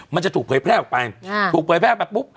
มันจะถูกเผยแพร่ออกไปถูกเผยแพร่ไปปุ๊บ